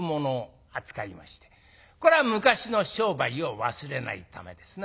これは昔の商売を忘れないためですな。